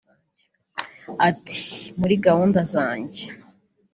Ati "Muri gahunda zanjye